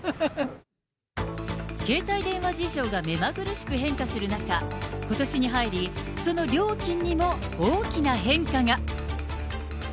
携帯電話市場が目まぐるしく変化する中、ことしに入り、その料金にも大きな変化が。